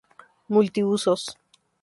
Multi usos.